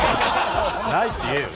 ないって言えよ。